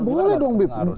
nggak boleh dong